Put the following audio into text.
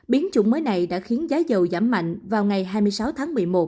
biến chủng mới này đã khiến giá dầu giảm mạnh vào ngày hai mươi sáu tháng một mươi một